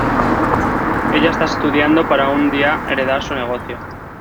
Ella está estudiando para un día heredar su negocio.